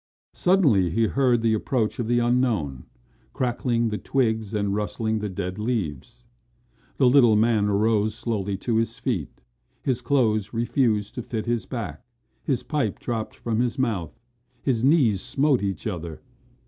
Suddenly he heard the approach of the unknown, crackling the twigs and rustling the dead leaves. The little man arose slowly to his feet, his clothes refused to fit his back, his pipe dropped from his mouth, his knees smote each other.